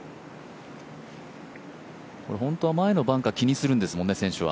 本当は前のバンカー気にするんですもんね、選手は。